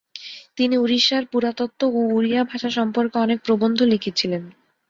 তিনি উরিষ্যার পুরাতত্ব ও উড়িয়া ভাষা সম্পর্কে অনেক প্রবন্ধ লিখেছিলেন।